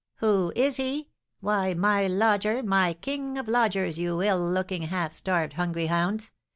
"Who is he? Why, my lodger, my king of lodgers, you ill looking, half starved, hungry hounds!